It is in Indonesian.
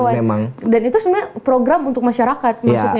dan itu sebenernya program untuk masyarakat maksudnya